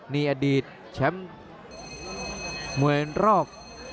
นี่อดีตแชมป์มวยรอบ